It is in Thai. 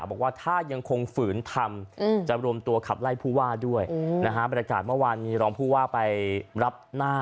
บอกว่าถ้ายังคงฝืนทำจะรวมตัวขับไล่ผู้ว่าด้วยนะฮะบรรยากาศเมื่อวานมีรองผู้ว่าไปรับหน้า